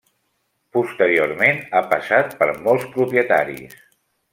Posteriorment, ha passat per molts propietaris.